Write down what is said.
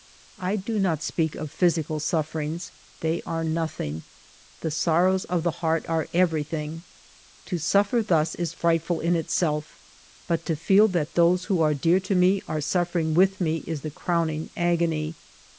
I do not speak of physical sufferings ; they are nothing; the sorrows of the heart are everything. To suf fer thus is frightful in itself, but to feel that those who are dear to me are suffering with me is the crowning agony.